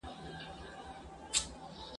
د ساقي د پلار همزولی له منصور سره پر لار یم ..